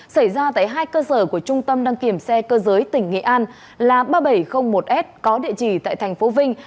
xảy ra tại hai cơ sở của trung tâm đăng kiểm xe cơ giới tỉnh nghệ an là ba nghìn bảy trăm linh một s có địa chỉ tại tp vinh